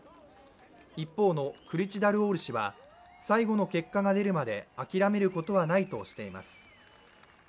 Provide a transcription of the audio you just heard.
一方のクルチダルオール氏は最後の結果が出るまで諦めることはないとしています。